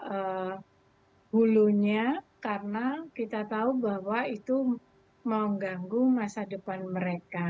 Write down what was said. apa bulunya karena kita tahu bahwa itu mau mengganggu masa depan mereka